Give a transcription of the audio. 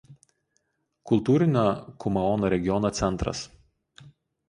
Kultūrinio Kumaono regiono centras.